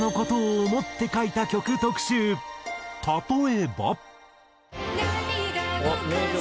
例えば。